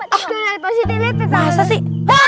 ah dari positi liat terasa sih